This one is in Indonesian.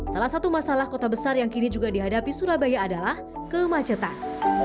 salah satu masalah kota besar yang kini juga dihadapi surabaya adalah kemacetan